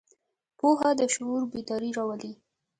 پوهه د شعور بیداري راولي.